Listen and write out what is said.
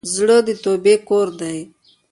زړه د توبې کور دی.